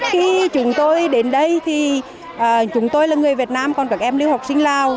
khi chúng tôi đến đây thì chúng tôi là người việt nam còn các em lưu học sinh lào